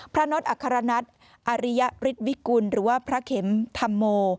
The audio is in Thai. น็อตอัครนัทอริยฤทธิวิกุลหรือว่าพระเข็มธรรมโม